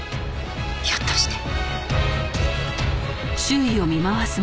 ひょっとして。